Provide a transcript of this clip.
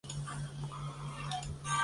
色码标示的电阻其单位取欧姆。